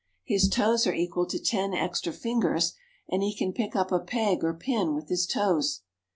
His toes are equal to ten extra fingers, and he can pick up a peg or pin with his toes.